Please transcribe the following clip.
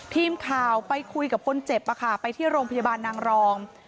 ทีมข่าวไปคุยกับคนเจ็บไปที่โรงพยาบาลนางรอง